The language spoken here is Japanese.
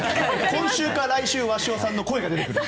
今週か来週鷲尾さんの声が出てくると。